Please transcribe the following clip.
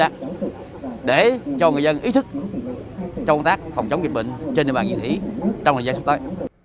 đáng để cho người dân ý thức cho công tác phòng chống dịch bệnh trên địa bàn diện thủy trong thời gian sắp tới